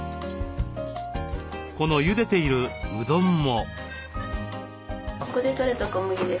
このゆでているうどんも。